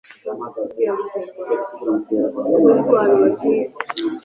Natekereje ko kazitunga yishyuye Mariya ariko ikigaragara nuko naribeshye